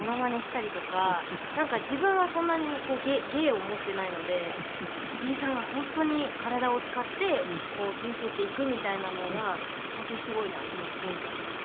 なんか自分はそんなに芸を持ってないので藤井さんは本当に体を使ってこう見せていくみたいなのが本当にすごいなと思って勉強させていただいてます。